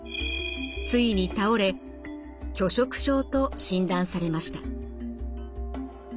ついに倒れ拒食症と診断されました。